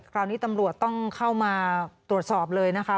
คราวนี้ตำรวจต้องเข้ามาตรวจสอบเลยนะคะ